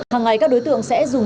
hằng ngày các đối tượng sẽ dùng